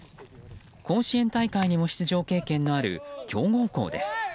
甲子園大会にも出場経験のある強豪校です。